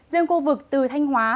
riêng khu vực từ thanh hóa